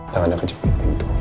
tangannya kejepit pintu